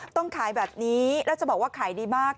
ต้องขายแบบนี้แล้วจะบอกว่าขายดีมาก